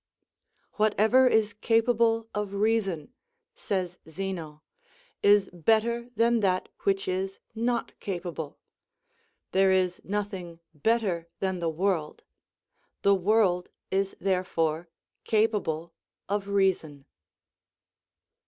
_" "Whatever is capable of reason," says Zeno, "is better than that which is not capable; there is nothing better than the world; the world is therefore capable of reason."